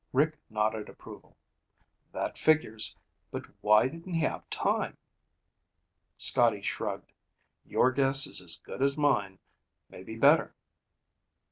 Rick nodded approval. "That figures. But why didn't he have time?" Scotty shrugged. "Your guess is as good as mine. Maybe better."